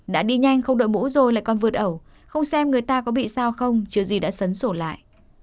đã đi nhanh không đội mũ rồi lại còn vượt ẩu không xem người ta có bị sao không chừa gì đã sấn sổ lại